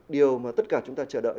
điều mà tất cả chúng ta chờ đợi